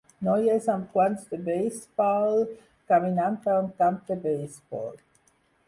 Noies amb guants de beisbol caminant per un camp de beisbol.